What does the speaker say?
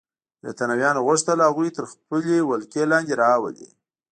برېټانویانو غوښتل هغوی تر خپلې ولکې لاندې راولي.